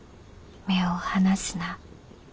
目を離すな。